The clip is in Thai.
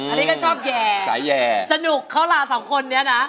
มมนี่ก็ชอบแหย่สนุกเค้าล่า๒คนนี้นะ